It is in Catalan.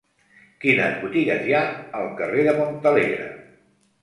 Quines botigues hi ha al carrer de Montalegre?